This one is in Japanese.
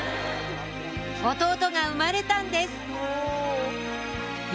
弟が生まれたんです